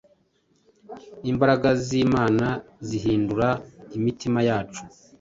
Imbaragazimana zihindura imitima yacu